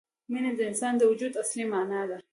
مینه د انسان د وجود اصلي معنا ده.